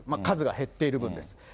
数が減っている分です。